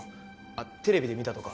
あテレビで見たとか？